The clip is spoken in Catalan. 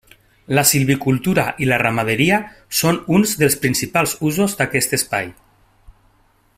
La silvicultura i la ramaderia són uns dels principals usos d’aquest Espai.